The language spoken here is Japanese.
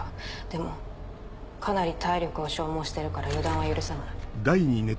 でもかなり体力を消耗してるから予断は許さない。